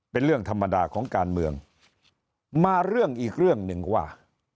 เป็นเรื่องธรรมดาของการเมืองมาเรื่องอีกเรื่องหนึ่งว่า